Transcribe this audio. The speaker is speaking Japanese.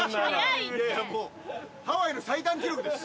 ハワイの最短記録です